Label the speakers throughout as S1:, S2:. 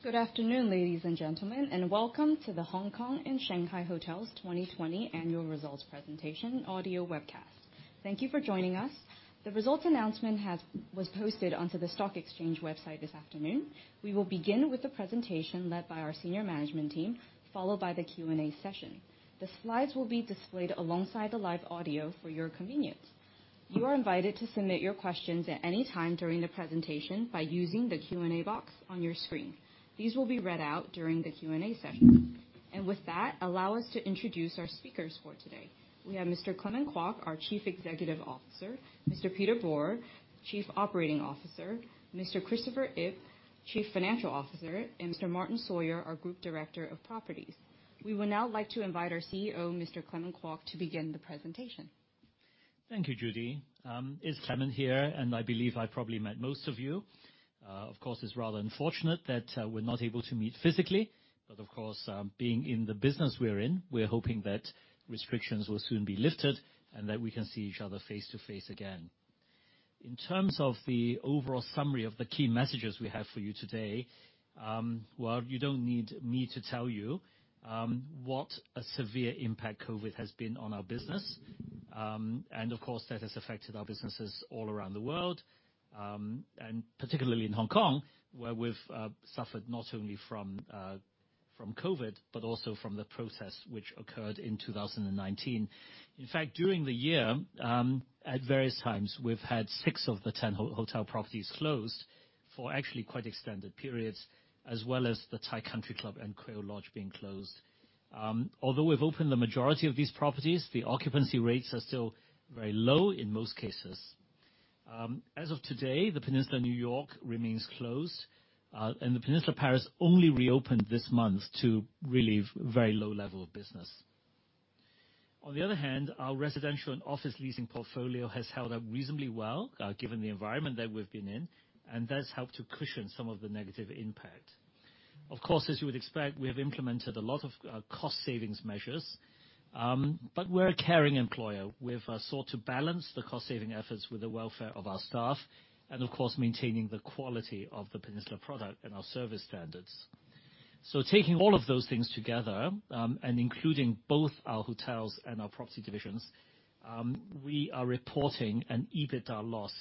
S1: Good afternoon, ladies and gentlemen, and welcome to The Hongkong and Shanghai Hotels 2020 Annual Results Presentation Audio Webcast. Thank you for joining us. The results announcement was posted onto the stock exchange website this afternoon. We will begin with the presentation led by our senior management team, followed by the Q&A session. The slides will be displayed alongside the live audio for your convenience. You are invited to submit your questions at any time during the presentation by using the Q&A box on your screen. These will be read out during the Q&A session. With that, allow us to introduce our speakers for today. We have Mr. Clement Kwok, our Chief Executive Officer, Mr. Peter Borer, Chief Operating Officer, Mr. Christopher Ip, Chief Financial Officer, and Mr. Martyn Sawyer, our Group Director of Properties. We would now like to invite our CEO, Mr. Clement Kwok, to begin the presentation.
S2: Thank you, Judy. Clement here, I believe I've probably met most of you. Of course, it's rather unfortunate that we're not able to meet physically, but of course, being in the business we're in, we're hoping that restrictions will soon be lifted and that we can see each other face to face again. In terms of the overall summary of the key messages we have for you today, well, you don't need me to tell you what a severe impact COVID has been on our business. Of course, that has affected our businesses all around the world, particularly in Hong Kong, where we've suffered not only from COVID, but also from the protests which occurred in 2019. In fact, during the year, at various times, we've had six of the 10 hotel properties closed for actually quite extended periods, as well as the Thai Country Club and Quail Lodge being closed. Although we've opened the majority of these properties, the occupancy rates are still very low in most cases. As of today, The Peninsula New York remains closed, and The Peninsula Paris only reopened this month to really very low level of business. On the other hand, our residential and office leasing portfolio has held up reasonably well, given the environment that we've been in, and that's helped to cushion some of the negative impact. Of course, as you would expect, we have implemented a lot of cost savings measures. We're a caring employer. We've sought to balance the cost-saving efforts with the welfare of our staff, and of course, maintaining the quality of The Peninsula product and our service standards. Taking all of those things together, and including both our hotels and our property divisions, we are reporting an EBITDA loss,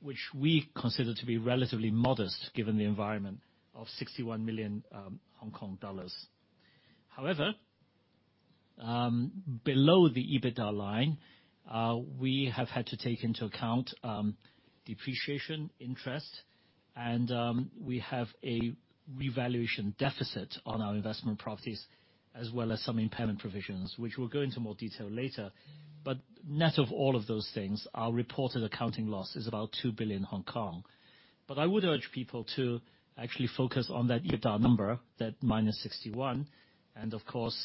S2: which we consider to be relatively modest, given the environment of 61 million Hong Kong dollars. Below the EBITDA line, we have had to take into account depreciation interest, and we have a revaluation deficit on our investment properties, as well as some impairment provisions, which we'll go into more detail later. Net of all of those things, our reported accounting loss is about 2 billion Hong Kong. I would urge people to actually focus on that EBITDA number, that -61 million, and of course,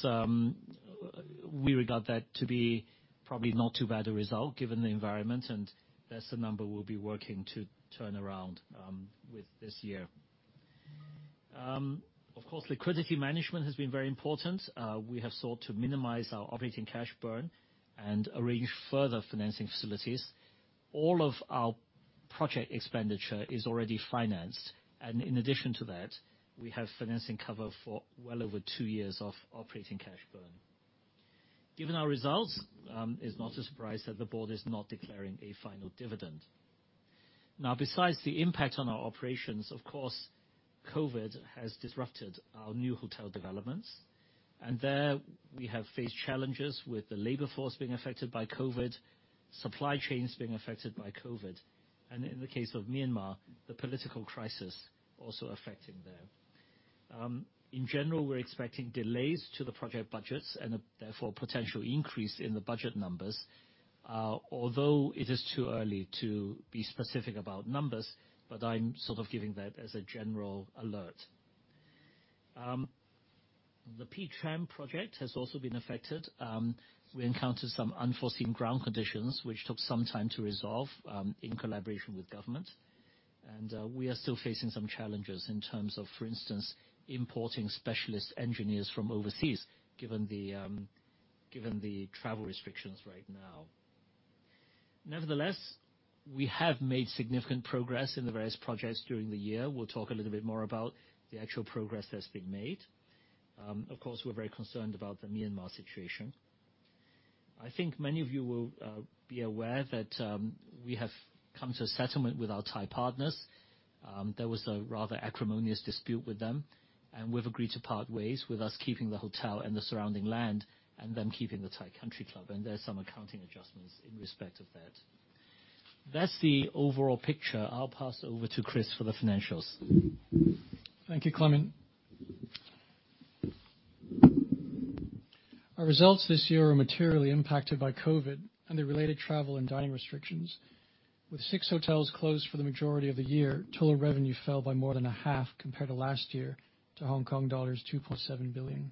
S2: we regard that to be probably not too bad a result given the environment, and that's the number we'll be working to turn around with this year. Of course, liquidity management has been very important. We have sought to minimize our operating cash burn and arrange further financing facilities. All of our project expenditure is already financed, and in addition to that, we have financing cover for well over two years of operating cash burn. Given our results, it's not a surprise that the board is not declaring a final dividend. Besides the impact on our operations, of course, COVID has disrupted our new hotel developments. There, we have faced challenges with the labor force being affected by COVID, supply chains being affected by COVID, and in the case of Myanmar, the political crisis also affecting there. In general, we're expecting delays to the project budgets and therefore potential increase in the budget numbers. Although it is too early to be specific about numbers, but I'm sort of giving that as a general alert. The Peak Tram project has also been affected. We encountered some unforeseen ground conditions, which took some time to resolve in collaboration with government. We are still facing some challenges in terms of, for instance, importing specialist engineers from overseas, given the travel restrictions right now. Nevertheless, we have made significant progress in the various projects during the year. We'll talk a little bit more about the actual progress that's been made. Of course, we're very concerned about the Myanmar situation. I think many of you will be aware that we have come to a settlement with our Thai partners. There was a rather acrimonious dispute with them, and we've agreed to part ways with us keeping the hotel and the surrounding land and them keeping the Thai Country Club. There's some accounting adjustments in respect of that. That's the overall picture. I'll pass over to Chris for the financials.
S3: Thank you, Clement. Our results this year are materially impacted by COVID and the related travel and dining restrictions. With six hotels closed for the majority of the year, total revenue fell by more than a half compared to last year to Hong Kong dollars 2.7 billion.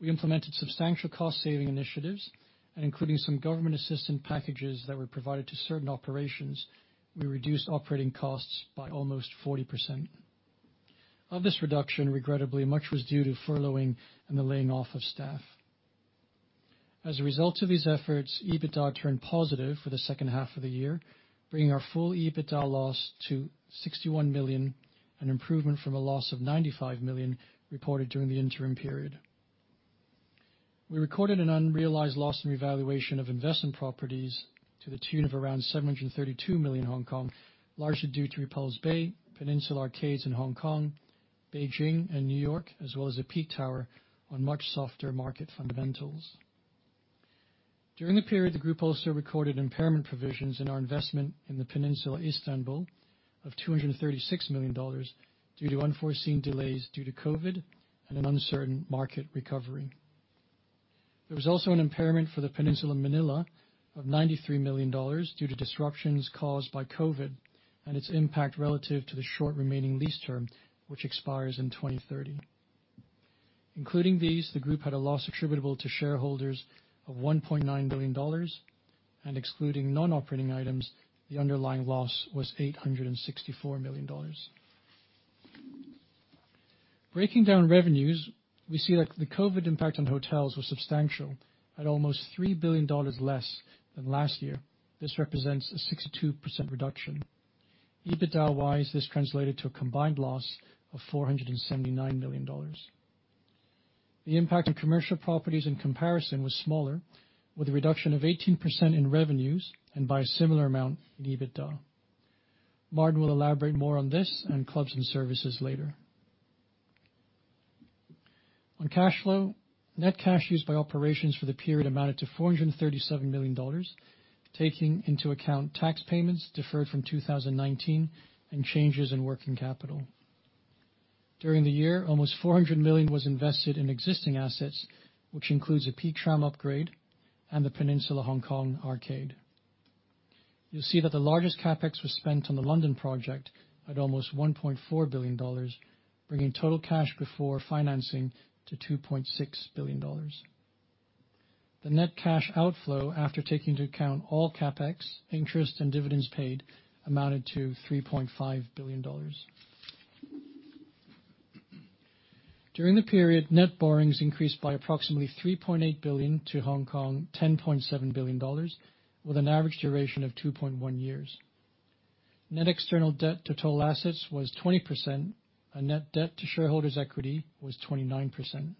S3: We implemented substantial cost-saving initiatives, and including some government assistance packages that were provided to certain operations, we reduced operating costs by almost 40%. Of this reduction, regrettably, much was due to furloughing and the laying off of staff. As a result of these efforts, EBITDA turned positive for the second half of the year, bringing our full EBITDA loss to 61 million, an improvement from a loss of 95 million reported during the interim period. We recorded an unrealized loss in revaluation of investment properties to the tune of around 732 million Hong Kong, largely due to Repulse Bay, Peninsula Arcades in Hong Kong, Beijing and New York, as well as Peak Tower on much softer market fundamentals. During the period, the group also recorded impairment provisions in our investment in The Peninsula Istanbul of 236 million dollars due to unforeseen delays due to COVID and an uncertain market recovery. There was also an impairment for The Peninsula Manila of 93 million dollars due to disruptions caused by COVID and its impact relative to the short remaining lease term, which expires in 2030. Including these, the group had a loss attributable to shareholders of 1.9 billion dollars and excluding non-operating items, the underlying loss was 864 million dollars. Breaking down revenues, we see that the COVID impact on hotels was substantial at almost 3 billion dollars less than last year. This represents a 62% reduction. EBITDA-wise, this translated to a combined loss of 479 million dollars. The impact on commercial properties in comparison was smaller, with a reduction of 18% in revenues and by a similar amount in EBITDA. Martyn will elaborate more on this and clubs and services later. On cash flow, net cash used by operations for the period amounted to 437 million dollars, taking into account tax payments deferred from 2019 and changes in working capital. During the year, almost 400 million was invested in existing assets, which includes a Peak Tram upgrade and the Peninsula Hong Kong Arcade. You'll see that the largest CapEx was spent on the London project at almost 1.4 billion dollars, bringing total cash before financing to 2.6 billion dollars. The net cash outflow after taking into account all CapEx, interest, and dividends paid, amounted to 3.5 billion dollars. During the period, net borrowings increased by approximately 3.8 billion to 10.7 billion Hong Kong dollars with an average duration of 2.1 years. Net external debt to total assets was 20%, and net debt to shareholders' equity was 29%.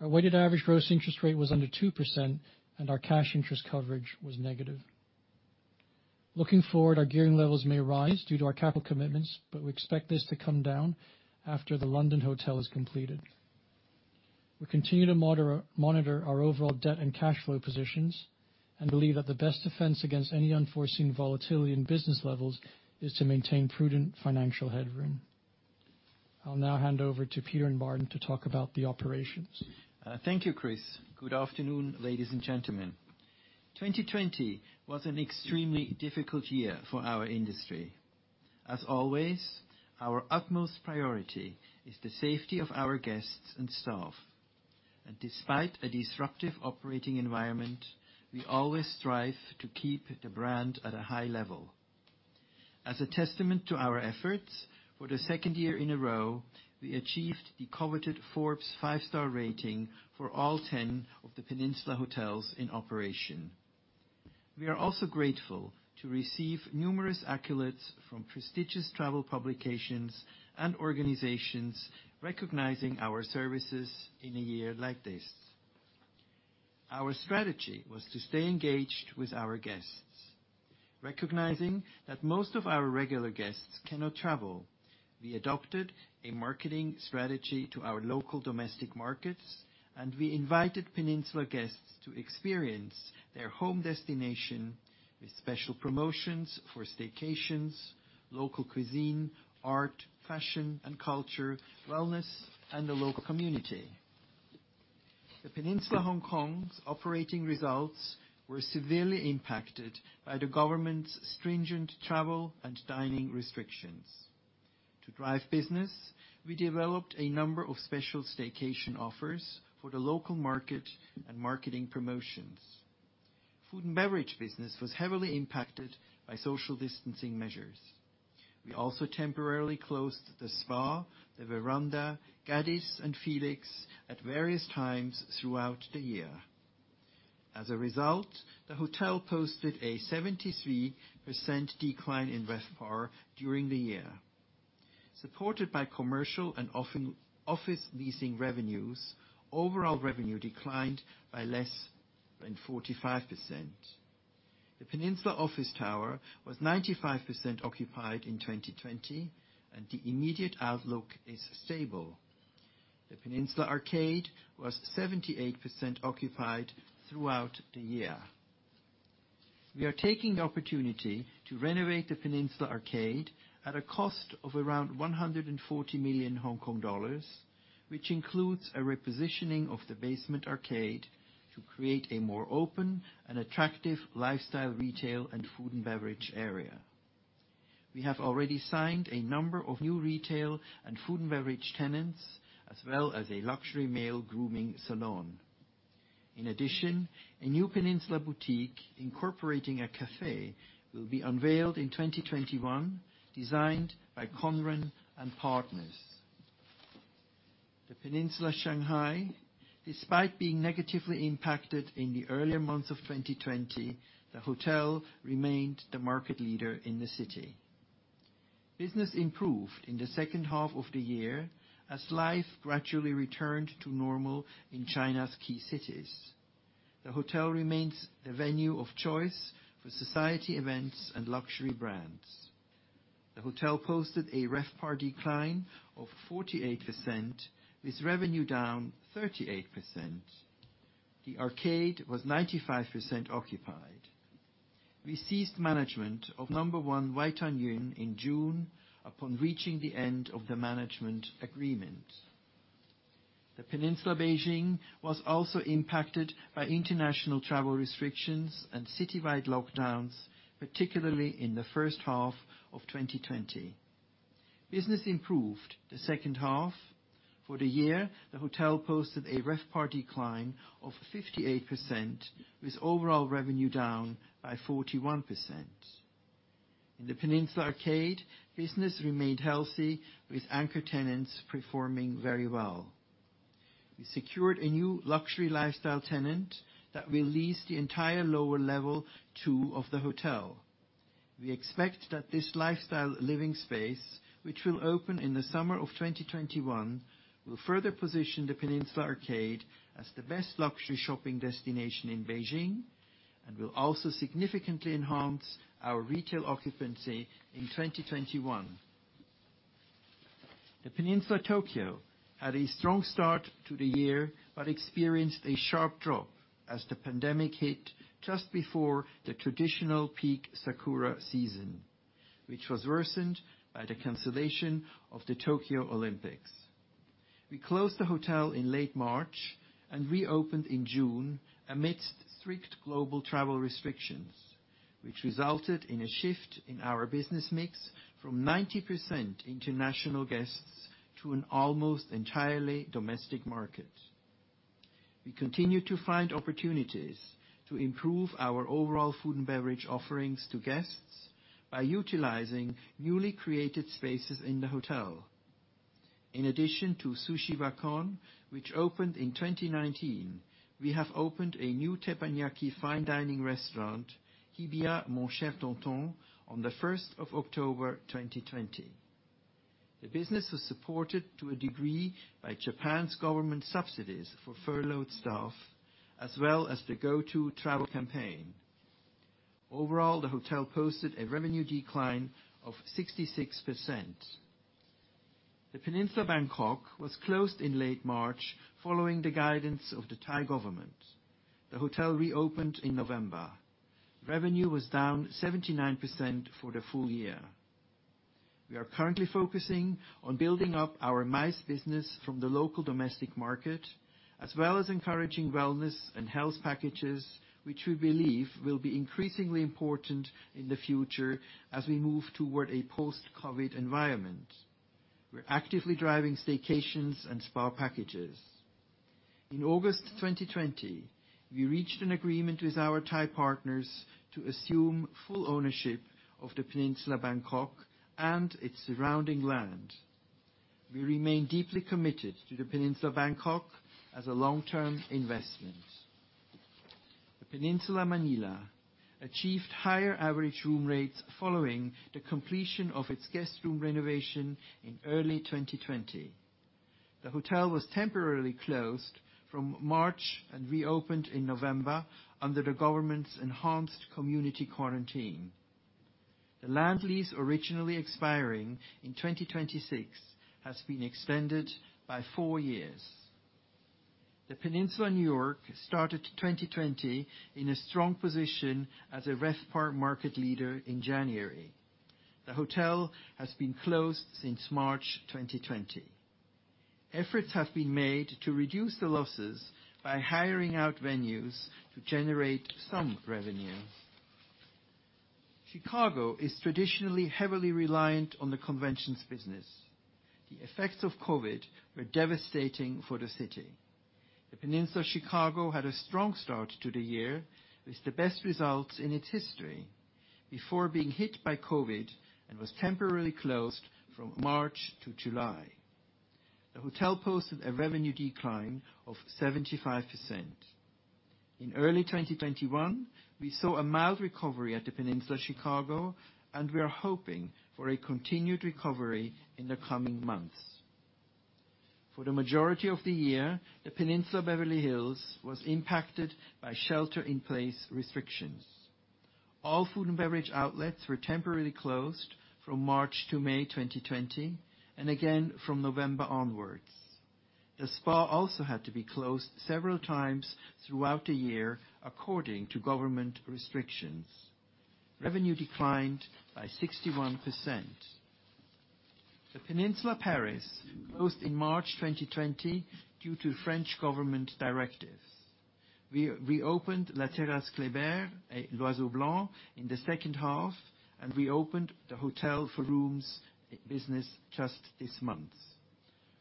S3: Our weighted average gross interest rate was under 2%, and our cash interest coverage was negative. Looking forward, our gearing levels may rise due to our capital commitments, but we expect this to come down after the London hotel is completed. We continue to monitor our overall debt and cash flow positions and believe that the best defense against any unforeseen volatility in business levels is to maintain prudent financial headroom. I'll now hand over to Peter and Martyn to talk about the operations.
S4: Thank you, Chris. Good afternoon, ladies and gentlemen. 2020 was an extremely difficult year for our industry. As always, our utmost priority is the safety of our guests and staff. Despite a disruptive operating environment, we always strive to keep the brand at a high level. As a testament to our efforts, for the second year in a row, we achieved the coveted Forbes five-star rating for all 10 of The Peninsula Hotels in operation. We are also grateful to receive numerous accolades from prestigious travel publications and organizations recognizing our services in a year like this. Our strategy was to stay engaged with our guests. Recognizing that most of our regular guests cannot travel, we adopted a marketing strategy to our local domestic markets, and we invited Peninsula guests to experience their home destination with special promotions for staycations, local cuisine, art, fashion, and culture, wellness, and the local community. The Peninsula Hong Kong's operating results were severely impacted by the government's stringent travel and dining restrictions. To drive business, we developed a number of special staycation offers for the local market and marketing promotions. Food and beverage business was heavily impacted by social distancing measures. We also temporarily closed The Spa, The Verandah, Gaddi's, and Felix at various times throughout the year. As a result, the hotel posted a 73% decline in RevPAR during the year. Supported by commercial and office leasing revenues, overall revenue declined by less than 45%. The Peninsula Office Tower was 95% occupied in 2020. The immediate outlook is stable. The Peninsula Arcade was 78% occupied throughout the year. We are taking the opportunity to renovate The Peninsula Arcade at a cost of around 140 million Hong Kong dollars, which includes a repositioning of the basement arcade to create a more open and attractive lifestyle retail and food and beverage area. We have already signed a number of new retail and food and beverage tenants, as well as a luxury male grooming salon. In addition, a new Peninsula boutique incorporating a cafe will be unveiled in 2021, designed by Conran and Partners. The Peninsula Shanghai, despite being negatively impacted in the earlier months of 2020, the hotel remained the market leader in the city. Business improved in the second half of the year as life gradually returned to normal in China's key cities. The hotel remains the venue of choice for society events and luxury brands. The hotel posted a RevPAR decline of 48%, with revenue down 38%. The Peninsula Arcade was 95% occupied. We ceased management of No. 1 Waitanyuan in June upon reaching the end of the management agreement. The Peninsula Beijing was also impacted by international travel restrictions and citywide lockdowns, particularly in the first half of 2020. Business improved the second half. For the year, the hotel posted a RevPAR decline of 58%, with overall revenue down by 41%. In The Peninsula Arcade, business remained healthy, with anchor tenants performing very well. We secured a new luxury lifestyle tenant that will lease the entire lower level two of the hotel. We expect that this lifestyle living space, which will open in the summer of 2021, will further position The Peninsula Arcade as the best luxury shopping destination in Beijing and will also significantly enhance our retail occupancy in 2021. The Peninsula Tokyo had a strong start to the year but experienced a sharp drop as the pandemic hit just before the traditional peak sakura season, which was worsened by the cancellation of the Tokyo Olympics. We closed the hotel in late March and reopened in June amidst strict global travel restrictions, which resulted in a shift in our business mix from 90% international guests to an almost entirely domestic market. We continue to find opportunities to improve our overall food and beverage offerings to guests by utilizing newly created spaces in the hotel. In addition to Sushi Wakon, which opened in 2019, we have opened a new teppanyaki fine dining restaurant, Hibiya Mon Cher Ton Ton, on the first of October 2020. The business was supported to a degree by Japan's government subsidies for furloughed staff, as well as the Go To Travel campaign. Overall, the hotel posted a revenue decline of 66%. The Peninsula Bangkok was closed in late March following the guidance of the Thai government. The hotel reopened in November. Revenue was down 79% for the full year. We are currently focusing on building up our MICE business from the local domestic market, as well as encouraging wellness and health packages, which we believe will be increasingly important in the future as we move toward a post-COVID environment. We're actively driving staycations and spa packages. In August 2020, we reached an agreement with our Thai partners to assume full ownership of The Peninsula Bangkok and its surrounding land. We remain deeply committed to The Peninsula Bangkok as a long-term investment. The Peninsula Manila achieved higher average room rates following the completion of its guest room renovation in early 2020. The hotel was temporarily closed from March and reopened in November under the government's enhanced community quarantine. The land lease, originally expiring in 2026, has been extended by four years. The Peninsula New York started 2020 in a strong position as a RevPAR market leader in January. The hotel has been closed since March 2020. Efforts have been made to reduce the losses by hiring out venues to generate some revenue. Chicago is traditionally heavily reliant on the conventions business. The effects of COVID were devastating for the city. The Peninsula Chicago had a strong start to the year with the best results in its history before being hit by COVID and was temporarily closed from March to July. The hotel posted a revenue decline of 75%. In early 2021, we saw a mild recovery at The Peninsula Chicago, and we are hoping for a continued recovery in the coming months. For the majority of the year, The Peninsula Beverly Hills was impacted by shelter-in-place restrictions. All food and beverage outlets were temporarily closed from March to May 2020 and again from November onwards. The spa also had to be closed several times throughout the year, according to government restrictions. Revenue declined by 61%. The Peninsula Paris closed in March 2020 due to French government directives. We reopened La Terrasse Kléber et L'Oiseau Blanc in the second half and reopened the hotel for rooms business just this month.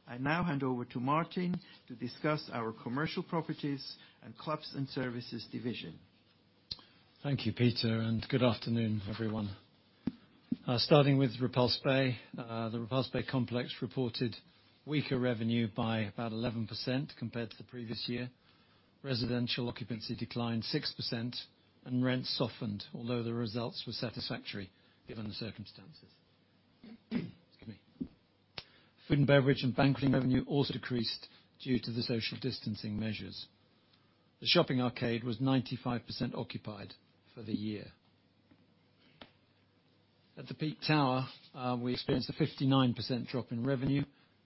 S4: I now hand over to Martyn to discuss our commercial properties and clubs and services division.
S5: Thank you, Peter, and good afternoon, everyone. Starting with Repulse Bay. The Repulse Bay complex reported weaker revenue by about 11% compared to the previous year. Residential occupancy declined 6% and rents softened, although the results were satisfactory given the circumstances. Food and beverage and banqueting revenue also decreased due to the social distancing measures. The shopping arcade was 95% occupied for the year. At The Peak Tower, we experienced a 59% drop in revenue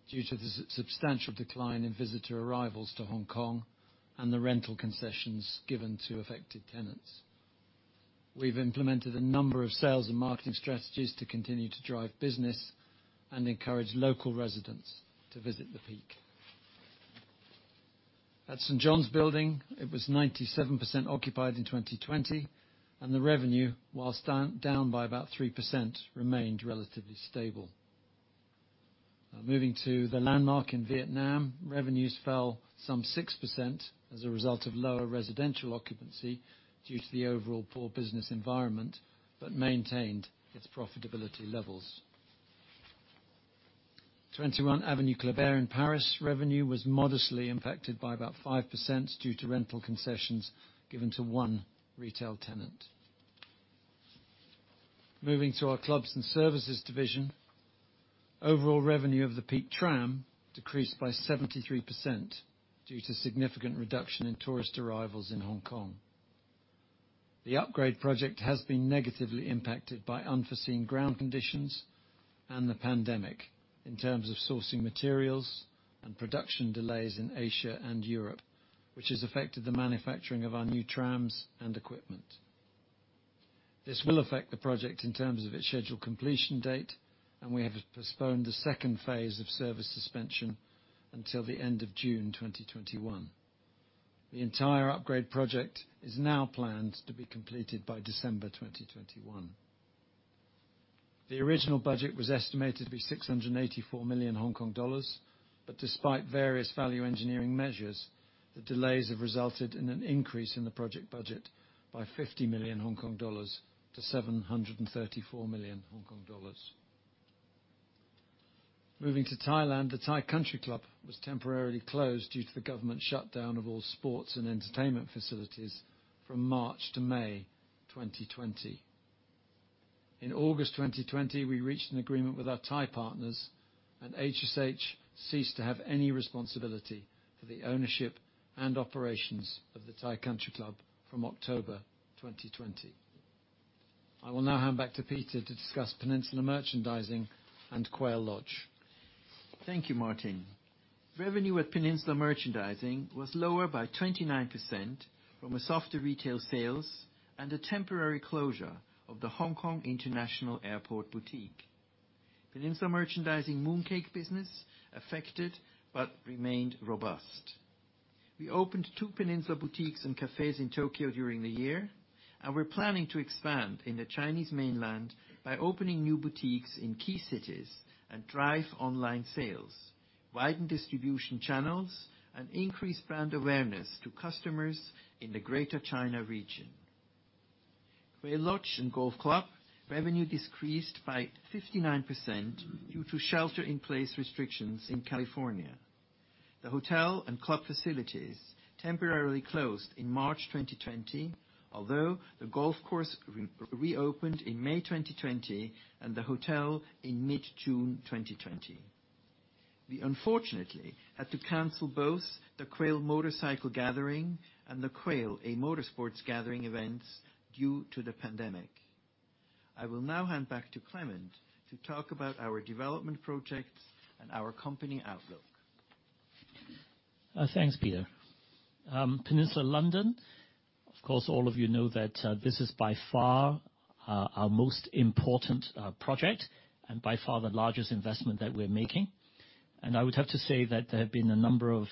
S5: due to the substantial decline in visitor arrivals to Hong Kong and the rental concessions given to affected tenants. We've implemented a number of sales and marketing strategies to continue to drive business and encourage local residents to visit the Peak. At St. John's Building, it was 97% occupied in 2020, and the revenue, whilst down by about 3%, remained relatively stable. Moving to the Landmark in Vietnam. Revenues fell some 6% as a result of lower residential occupancy due to the overall poor business environment but maintained its profitability levels. 21 avenue Kléber in Paris, revenue was modestly impacted by about 5% due to rental concessions given to one retail tenant. Moving to our clubs and services division. Overall revenue of The Peak Tram decreased by 73% due to significant reduction in tourist arrivals in Hong Kong. The upgrade project has been negatively impacted by unforeseen ground conditions and the pandemic in terms of sourcing materials and production delays in Asia and Europe, which has affected the manufacturing of our new trams and equipment. This will affect the project in terms of its scheduled completion date, and we have postponed the second phase of service suspension until the end of June 2021. The entire upgrade project is now planned to be completed by December 2021. The original budget was estimated to be 684 million Hong Kong dollars, but despite various value engineering measures, the delays have resulted in an increase in the project budget by 50 million Hong Kong dollars to 734 million Hong Kong dollars. Moving to Thailand. The Thai Country Club was temporarily closed due to the government shutdown of all sports and entertainment facilities from March to May 2020. In August 2020, we reached an agreement with our Thai partners, and HSH ceased to have any responsibility for the ownership and operations of the Thai Country Club from October 2020. I will now hand back to Peter to discuss Peninsula Merchandising and Quail Lodge.
S4: Thank you, Martyn. Revenue at Peninsula Merchandising was lower by 29% from a softer retail sales and a temporary closure of the Hong Kong International Airport boutique. Peninsula Merchandising mooncake business affected but remained robust. We opened two Peninsula boutiques and cafes in Tokyo during the year, and we're planning to expand in the Chinese mainland by opening new boutiques in key cities and drive online sales, widen distribution channels, and increase brand awareness to customers in the Greater China region. Quail Lodge & Golf Club revenue decreased by 59% due to shelter-in-place restrictions in California. The hotel and club facilities temporarily closed in March 2020, although the golf course reopened in May 2020 and the hotel in mid-June 2020. We unfortunately had to cancel both the Quail Motorcycle Gathering and The Quail, A Motorsports Gathering events due to the pandemic. I will now hand back to Clement to talk about our development projects and our company outlook.
S2: Thanks, Peter. Peninsula London, of course, all of you know that this is by far our most important project and by far the largest investment that we're making. I would have to say that there have been a number of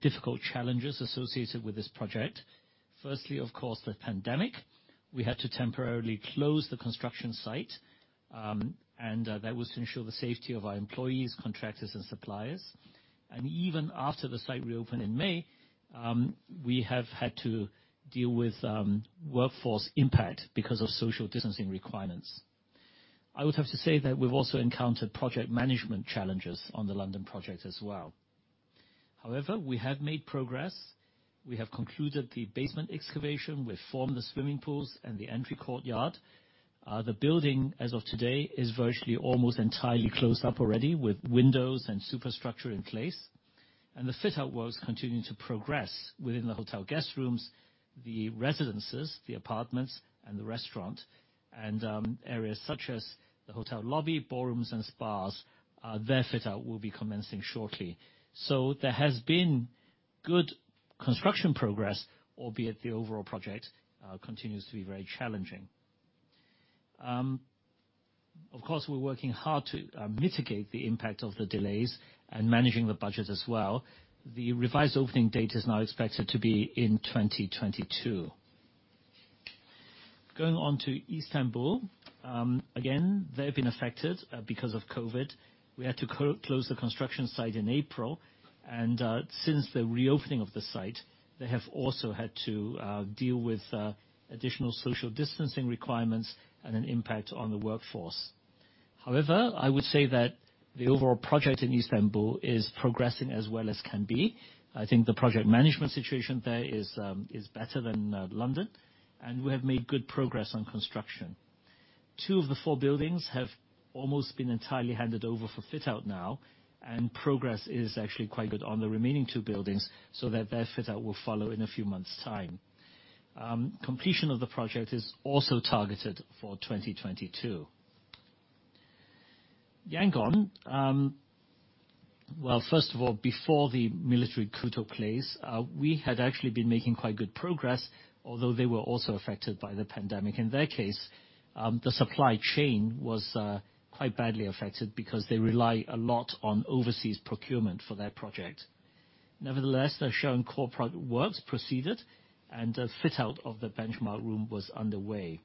S2: difficult challenges associated with this project. Firstly, of course, the pandemic. We had to temporarily close the construction site, and that was to ensure the safety of our employees, contractors, and suppliers. Even after the site reopened in May, we have had to deal with workforce impact because of social distancing requirements. I would have to say that we've also encountered project management challenges on the London project as well. However, we have made progress. We have concluded the basement excavation. We've formed the swimming pools and the entry courtyard. The building, as of today, is virtually almost entirely closed up already, with windows and superstructure in place. The fit-out works continuing to progress within the hotel guest rooms, the residences, the apartments, and the restaurant. Areas such as the hotel lobby, ballrooms, and spas, their fit-out will be commencing shortly. There has been good construction progress, albeit the overall project continues to be very challenging. Of course, we're working hard to mitigate the impact of the delays and managing the budget as well. The revised opening date is now expected to be in 2022. Going on to Istanbul. Again, they've been affected because of COVID. We had to close the construction site in April, and since the reopening of the site, they have also had to deal with additional social distancing requirements and an impact on the workforce. However, I would say that the overall project in Istanbul is progressing as well as can be. I think the project management situation there is better than London, and we have made good progress on construction. Two of the four buildings have almost been entirely handed over for fit-out now, and progress is actually quite good on the remaining two buildings so that their fit-out will follow in a few months' time. Completion of the project is also targeted for 2022. Yangon. Well, first of all, before the military coup took place, we had actually been making quite good progress, although they were also affected by the pandemic. In their case, the supply chain was quite badly affected because they rely a lot on overseas procurement for that project. Nevertheless, their shell and core project works proceeded, and fit-out of the benchmark room was underway.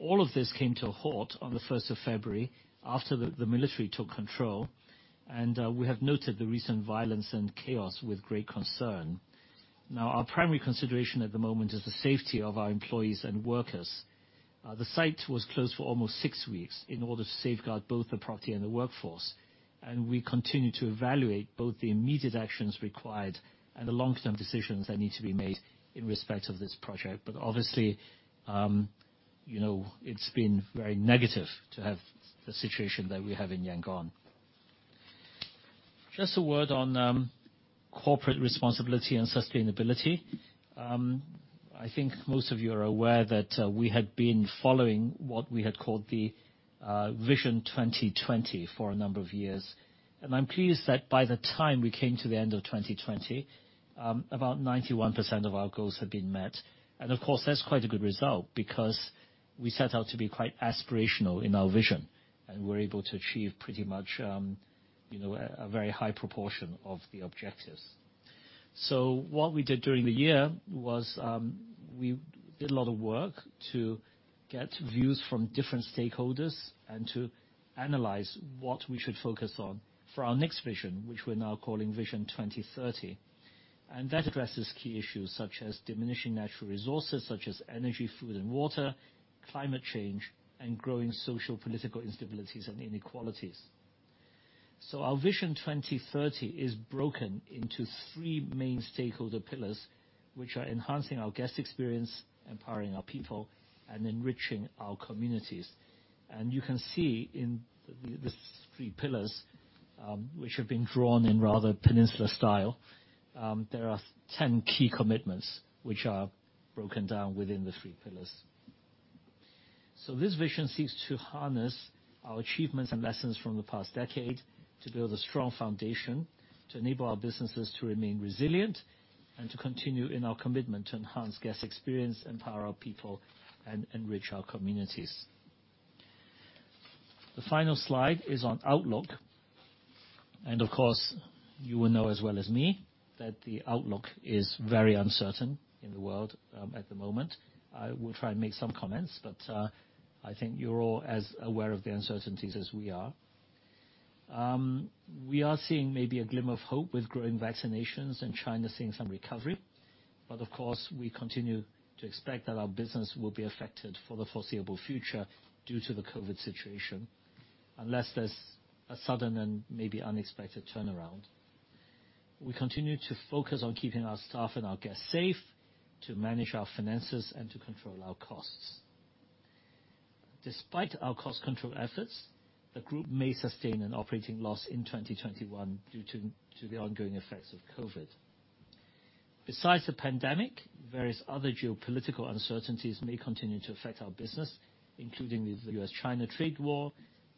S2: All of this came to a halt on the first of February after the military took control. We have noted the recent violence and chaos with great concern. Now, our primary consideration at the moment is the safety of our employees and workers. The site was closed for almost six weeks in order to safeguard both the property and the workforce. We continue to evaluate both the immediate actions required and the long-term decisions that need to be made in respect of this project. Obviously, it's been very negative to have the situation that we have in Yangon. Just a word on corporate responsibility and sustainability. I think most of you are aware that we had been following what we had called the Vision 2020 for a number of years. I'm pleased that by the time we came to the end of 2020, about 91% of our goals had been met. Of course, that's quite a good result because we set out to be quite aspirational in our vision. We're able to achieve pretty much a very high proportion of the objectives. What we did during the year was we did a lot of work to get views from different stakeholders and to analyze what we should focus on for our next vision, which we're now calling Vision 2030. That addresses key issues such as diminishing natural resources such as energy, food, and water, climate change, and growing social political instabilities and inequalities. Our Vision 2030 is broken into three main stakeholder pillars, which are enhancing our guest experience, empowering our people, and enriching our communities. You can see in these three pillars, which have been drawn in rather Peninsula style, there are 10 key commitments which are broken down within the three pillars. This vision seeks to harness our achievements and lessons from the past decade to build a strong foundation to enable our businesses to remain resilient and to continue in our commitment to enhance guest experience, empower our people, and enrich our communities. The final slide is on outlook. Of course, you will know as well as me that the outlook is very uncertain in the world at the moment. I will try and make some comments, but I think you're all as aware of the uncertainties as we are. We are seeing maybe a glimmer of hope with growing vaccinations and China seeing some recovery. Of course, we continue to expect that our business will be affected for the foreseeable future due to the COVID situation, unless there's a sudden and maybe unexpected turnaround. We continue to focus on keeping our staff and our guests safe, to manage our finances, and to control our costs. Despite our cost control efforts, the group may sustain an operating loss in 2021 due to the ongoing effects of COVID. Besides the pandemic, various other geopolitical uncertainties may continue to affect our business, including the US-China trade war,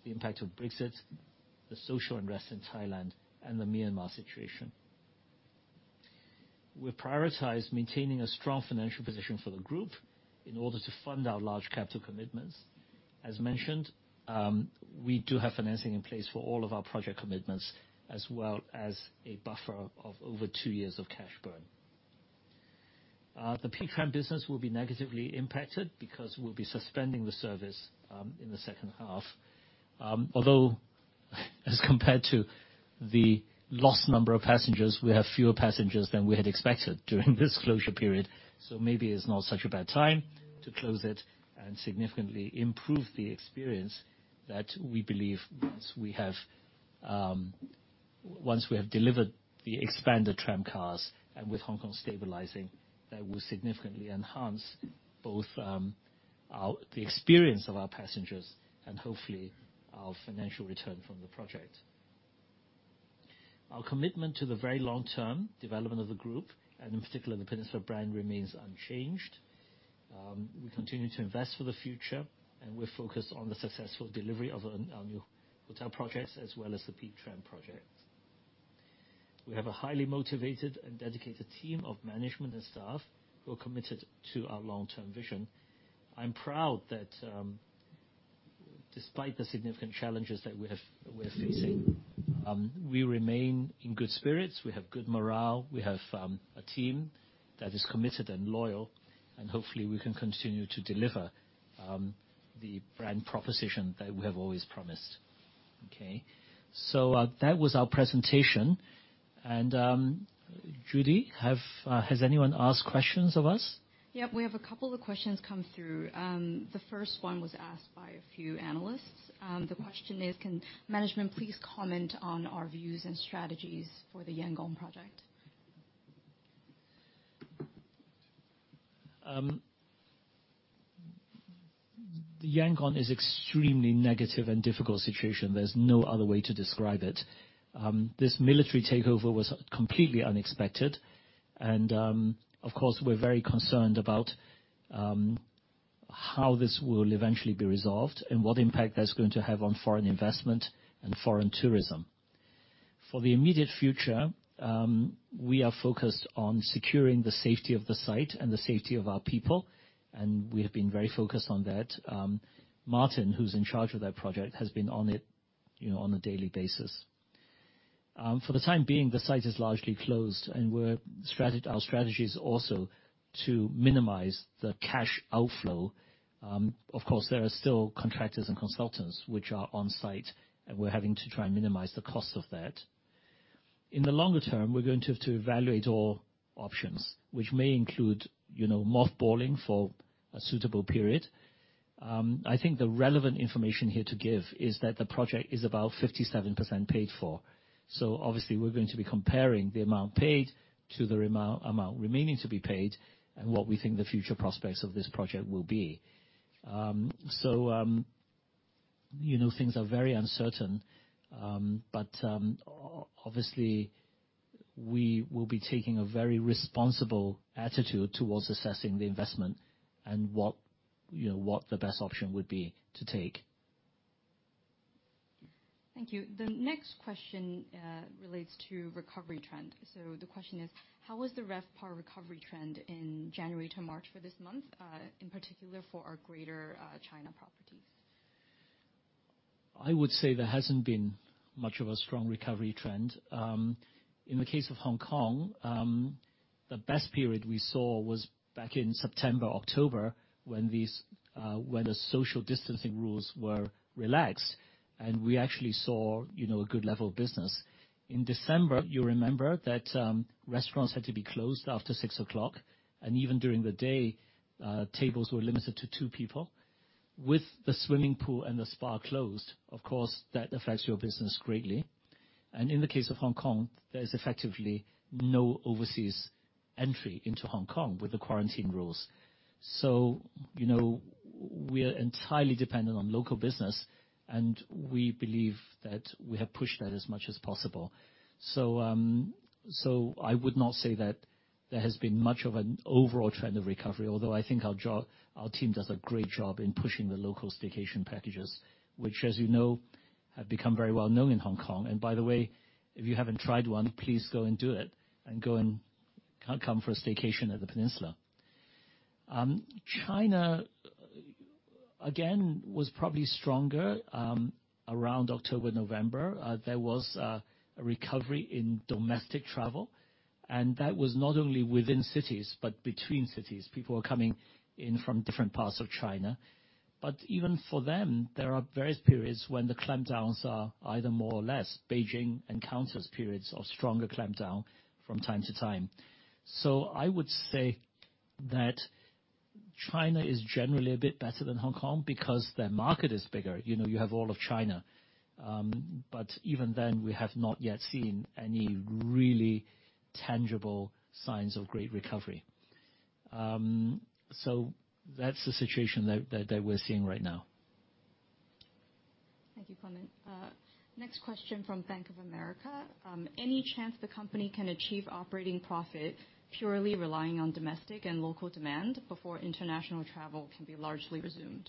S2: the impact of Brexit, the social unrest in Thailand, and the Myanmar situation. We prioritize maintaining a strong financial position for the group in order to fund our large capital commitments. As mentioned, we do have financing in place for all of our project commitments, as well as a buffer of over two years of cash burn. The Peak Tram business will be negatively impacted because we'll be suspending the service in the second half. Although as compared to the lost number of passengers, we have fewer passengers than we had expected during this closure period. Maybe it's not such a bad time to close it and significantly improve the experience that we believe once we have delivered the expanded tramcars and with Hong Kong stabilizing, that will significantly enhance both the experience of our passengers and hopefully our financial return from the project. Our commitment to the very long-term development of the group, and in particular The Peninsula brand, remains unchanged. We continue to invest for the future, and we're focused on the successful delivery of our new hotel projects as well as The Peak Tram project. We have a highly motivated and dedicated team of management and staff who are committed to our long-term vision. I'm proud despite the significant challenges that we're facing, we remain in good spirits. We have good morale. We have a team that is committed and loyal, and hopefully we can continue to deliver the brand proposition that we have always promised. Okay. That was our presentation. Judy, has anyone asked questions of us?
S1: Yep. We have a couple of questions come through. The first one was asked by a few analysts. The question is: Can management please comment on our views and strategies for the Yangon project?
S2: Yangon is extremely negative and difficult situation. There's no other way to describe it. This military takeover was completely unexpected and, of course, we're very concerned about how this will eventually be resolved and what impact that's going to have on foreign investment and foreign tourism. For the immediate future, we are focused on securing the safety of the site and the safety of our people, and we have been very focused on that. Martyn, who's in charge of that project, has been on it on a daily basis. For the time being, the site is largely closed, and our strategy is also to minimize the cash outflow. Of course, there are still contractors and consultants which are on site, and we're having to try and minimize the cost of that. In the longer term, we're going to have to evaluate all options, which may include mothballing for a suitable period. I think the relevant information here to give is that the project is about 57% paid for. Obviously, we're going to be comparing the amount paid to the amount remaining to be paid and what we think the future prospects of this project will be. Things are very uncertain. Obviously, we will be taking a very responsible attitude towards assessing the investment and what the best option would be to take.
S1: Thank you. The next question relates to recovery trend. The question is: How was the RevPAR recovery trend in January to March for this month, in particular for our Greater China properties?
S2: I would say there hasn't been much of a strong recovery trend. In the case of Hong Kong, the best period we saw was back in September, October when the social distancing rules were relaxed, and we actually saw a good level of business. In December, you remember that restaurants had to be closed after 6:00 P.M., and even during the day, tables were limited to two people. With the swimming pool and the spa closed, of course, that affects your business greatly. In the case of Hong Kong, there is effectively no overseas entry into Hong Kong with the quarantine rules. We are entirely dependent on local business, and we believe that we have pushed that as much as possible. I would not say that there has been much of an overall trend of recovery, although I think our team does a great job in pushing the local staycation packages, which as you know, have become very well-known in Hong Kong. By the way, if you haven't tried one, please go and do it and go and come for a staycation at The Peninsula. China, again, was probably stronger around October, November. There was a recovery in domestic travel, and that was not only within cities but between cities. People were coming in from different parts of China. Even for them, there are various periods when the clampdowns are either more or less. Beijing encounters periods of stronger clampdown from time to time. I would say that China is generally a bit better than Hong Kong because their market is bigger. You have all of China. Even then, we have not yet seen any really tangible signs of great recovery. That's the situation that we're seeing right now.
S1: Thank you, Clement. Next question from Bank of America. Any chance the company can achieve operating profit purely relying on domestic and local demand before international travel can be largely resumed?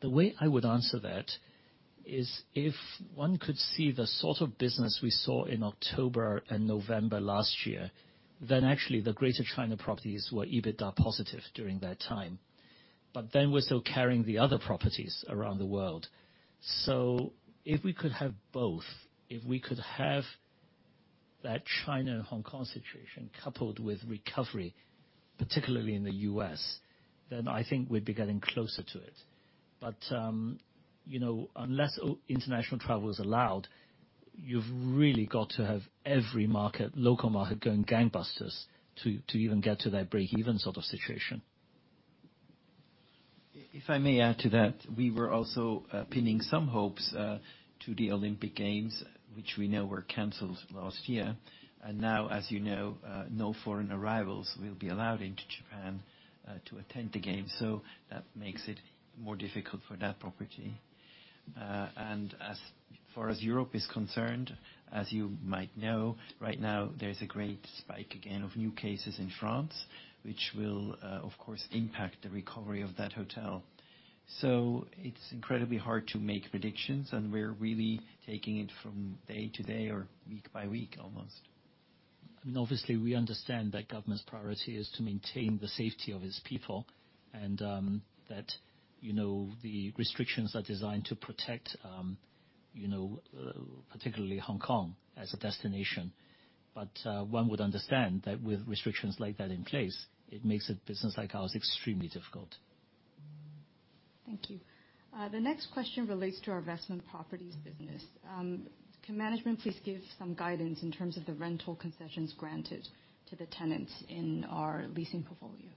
S2: The way I would answer that is if one could see the sort of business we saw in October and November last year, then actually the Greater China properties were EBITDA positive during that time. We're still carrying the other properties around the world. If we could have both, if we could have that China-Hong Kong situation coupled with recovery, particularly in the U.S., then I think we'd be getting closer to it. Unless international travel is allowed, you've really got to have every local market going gangbusters to even get to that breakeven sort of situation.
S4: If I may add to that, we were also pinning some hopes to the Olympic Games, which we know were canceled last year. Now, as you know, no foreign arrivals will be allowed into Japan to attend the game. That makes it more difficult for that property. As far as Europe is concerned, as you might know, right now, there is a great spike again of new cases in France, which will, of course, impact the recovery of that hotel. It's incredibly hard to make predictions, and we're really taking it from day to day or week by week almost.
S2: Obviously, we understand that government's priority is to maintain the safety of its people and that the restrictions are designed to protect, particularly Hong Kong as a destination. One would understand that with restrictions like that in place, it makes a business like ours extremely difficult.
S1: Thank you. The next question relates to our investment properties business. Can management please give some guidance in terms of the rental concessions granted to the tenants in our leasing portfolio?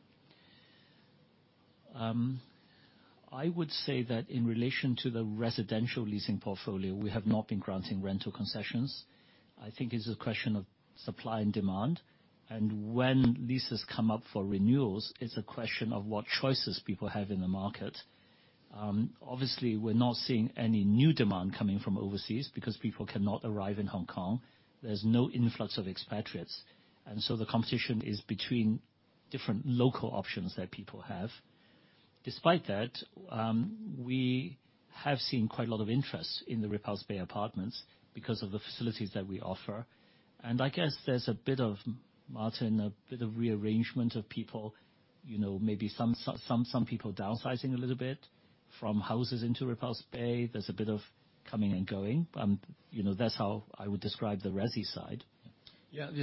S2: I would say that in relation to the residential leasing portfolio, we have not been granting rental concessions. I think it's a question of supply and demand. When leases come up for renewals, it's a question of what choices people have in the market. Obviously, we're not seeing any new demand coming from overseas because people cannot arrive in Hong Kong. There's no influx of expatriates. The competition is between different local options that people have. Despite that, we have seen quite a lot of interest in The Repulse Bay apartments because of the facilities that we offer. I guess there's, Martyn, a bit of rearrangement of people, maybe some people downsizing a little bit from houses into The Repulse Bay. There's a bit of coming and going. That's how I would describe the resi side.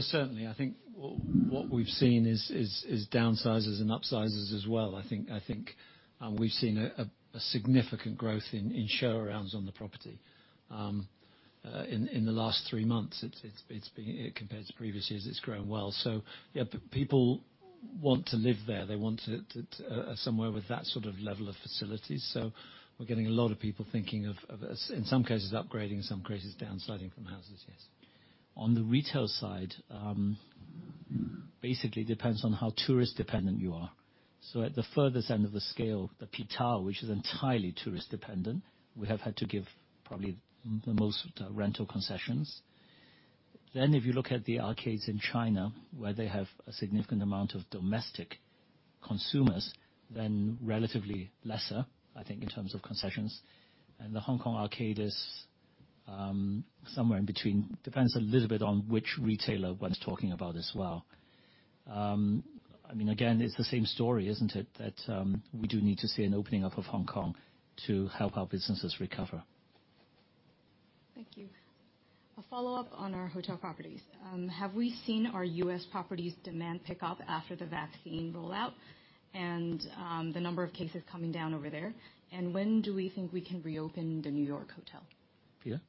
S5: Certainly, I think what we've seen is downsizes and upsizes as well. I think we've seen a significant growth in showarounds on the property. In the last three months, compared to previous years, it's grown well. People want to live there. They want somewhere with that sort of level of facilities. We're getting a lot of people thinking of, in some cases, upgrading, in some cases, downsizing from houses, yes.
S2: On the retail side, basically depends on how tourist-dependent you are. At the furthest end of the scale, The Peak Tower, which is entirely tourist-dependent, we have had to give probably the most rental concessions. If you look at The Arcades in China, where they have a significant amount of domestic consumers, then relatively lesser, I think, in terms of concessions. The Peninsula Arcade is somewhere in between. Depends a little bit on which retailer one's talking about as well. It's the same story, isn't it? We do need to see an opening up of Hong Kong to help our businesses recover.
S1: Thank you. A follow-up on our hotel properties. Have we seen our U.S. properties demand pick up after the vaccine rollout and the number of cases coming down over there? When do we think we can reopen the New York hotel?
S2: Peter?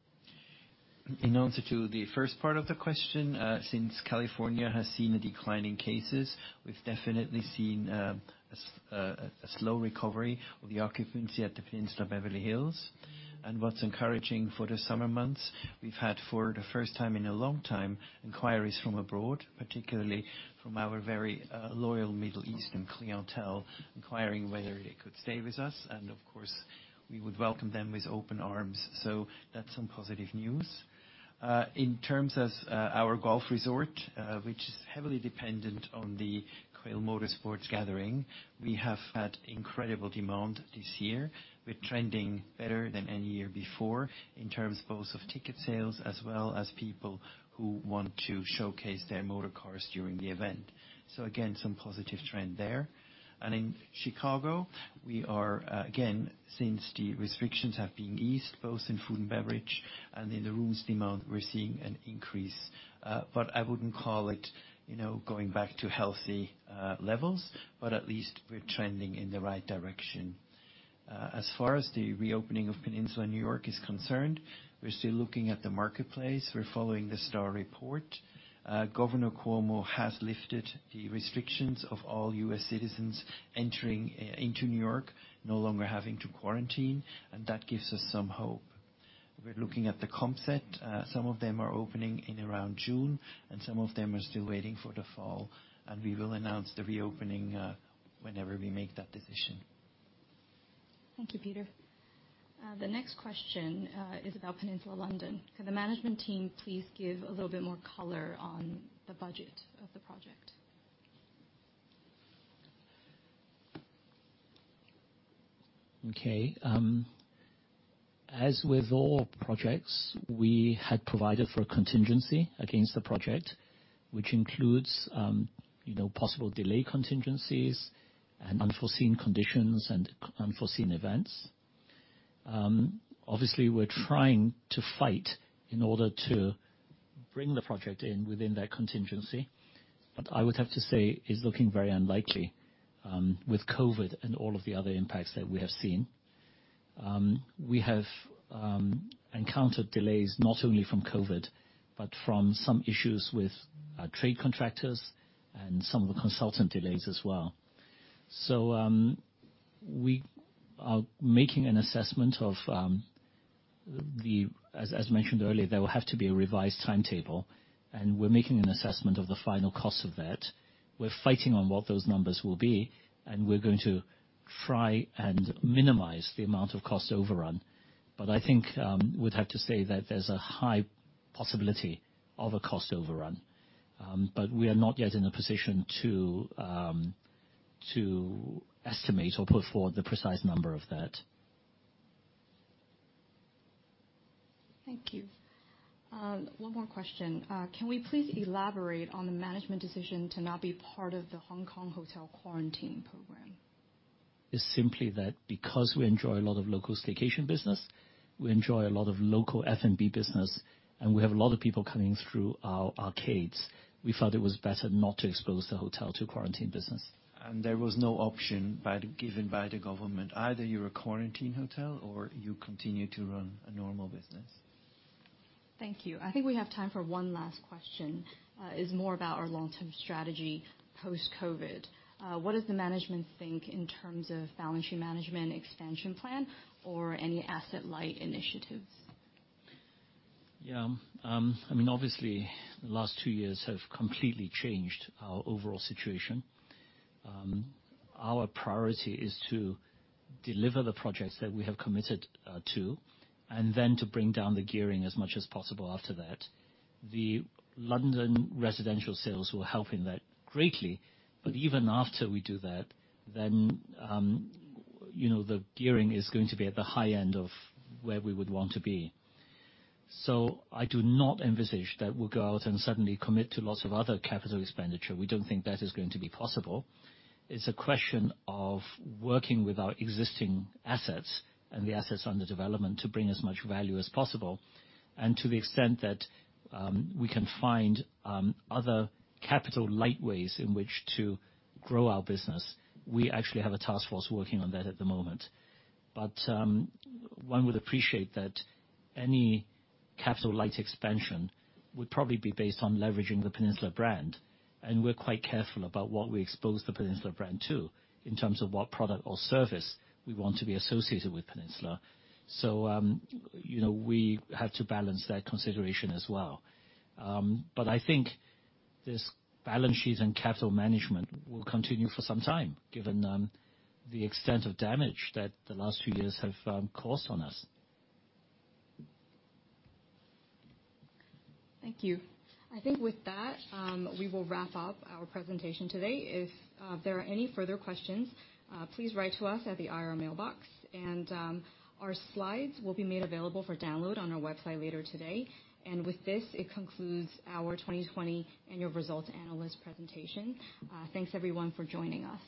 S4: In answer to the first part of the question, since California has seen a decline in cases, we've definitely seen a slow recovery of the occupancy at The Peninsula Beverly Hills. What's encouraging for the summer months, we've had, for the first time in a long time, inquiries from abroad, particularly from our very loyal Middle Eastern clientele, inquiring whether they could stay with us. Of course, we would welcome them with open arms. That's some positive news. In terms of our golf resort, which is heavily dependent on The Quail, A Motorsports Gathering, we have had incredible demand this year. We're trending better than any year before in terms both of ticket sales as well as people who want to showcase their motor cars during the event. Again, some positive trend there. In Chicago, we are, again, since the restrictions have been eased both in food and beverage and in the rooms demand, we're seeing an increase. I wouldn't call it going back to healthy levels, but at least we're trending in the right direction. As far as the reopening of The Peninsula New York is concerned, we're still looking at the marketplace. We're following the STR report. Governor Cuomo has lifted the restrictions of all U.S. citizens entering into New York, no longer having to quarantine, and that gives us some hope. We're looking at the comp set. Some of them are opening in around June, and some of them are still waiting for the fall. We will announce the reopening whenever we make that decision.
S1: Thank you, Peter. The next question is about The Peninsula London. Could the management team please give a little bit more color on the budget of the project?
S2: Okay. As with all projects, we had provided for a contingency against the project, which includes possible delay contingencies and unforeseen conditions and unforeseen events. Obviously, we're trying to fight in order to bring the project in within that contingency, but I would have to say it's looking very unlikely with COVID and all of the other impacts that we have seen. We have encountered delays not only from COVID but from some issues with trade contractors and some of the consultant delays as well. We are making an assessment. As mentioned earlier, there will have to be a revised timetable, and we're making an assessment of the final cost of that. We're fighting on what those numbers will be, and we're going to try and minimize the amount of cost overrun. I think we'd have to say that there's a high possibility of a cost overrun. We are not yet in a position to estimate or put forward the precise number of that.
S1: Thank you. One more question. Can we please elaborate on the management decision to not be part of the Hong Kong hotel quarantine program?
S2: It's simply that because we enjoy a lot of local staycation business, we enjoy a lot of local F&B business, and we have a lot of people coming through our Arcades, we thought it was better not to expose the hotel to quarantine business.
S4: There was no option given by the government. Either you're a quarantine hotel, or you continue to run a normal business.
S1: Thank you. I think we have time for one last question. It's more about our long-term strategy post-COVID. What does the management think in terms of balance sheet management expansion plan, or any asset-light initiatives?
S2: Obviously, the last two years have completely changed our overall situation. Our priority is to deliver the projects that we have committed to, then to bring down the gearing as much as possible after that. The London residential sales will help in that greatly, even after we do that, the gearing is going to be at the high end of where we would want to be. I do not envisage that we'll go out and suddenly commit to lots of other capital expenditure. We don't think that is going to be possible. It's a question of working with our existing assets and the assets under development to bring as much value as possible. To the extent that we can find other capital-light ways in which to grow our business, we actually have a task force working on that at the moment. One would appreciate that any capital-light expansion would probably be based on leveraging The Peninsula brand, and we're quite careful about what we expose The Peninsula brand to in terms of what product or service we want to be associated with Peninsula. We have to balance that consideration as well. I think this balance sheet and capital management will continue for some time, given the extent of damage that the last few years have caused on us.
S1: Thank you. I think with that, we will wrap up our presentation today. If there are any further questions, please write to us at the IR mailbox. Our slides will be made available for download on our website later today. With this, it concludes our 2020 annual results analyst presentation. Thanks, everyone, for joining us.